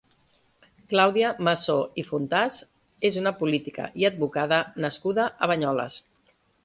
Clàudia Massó i Fontàs és una política i advocada nascuda a Banyoles.